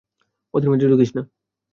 ওদের মাঝে ঢুকিস না।